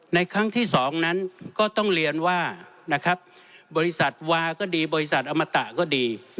ครั้งที่๒นั้นก็ต้องเรียนว่าบริษัทวาก็ดีบริษัทอมตะก็ดี